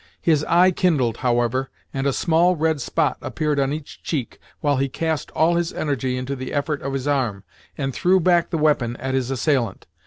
His eye kindled, however, and a small red spot appeared on each cheek, while he cast all his energy into the effort of his arm, and threw back the weapon at his assailant.